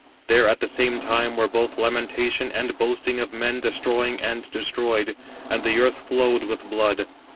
There at the same time were both lamentation and boasting of men destroying and destroyed, and the earth flowed with blood.